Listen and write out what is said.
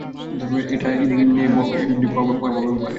এটা ভবানী ভাইয়ের ট্রাক।